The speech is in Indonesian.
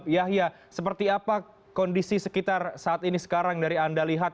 yahya seperti apa kondisi sekitar saat ini sekarang dari anda lihat